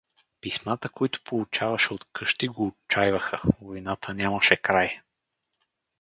Писмата, които получаваше от къщи, го отчайваха, войната нямаше край.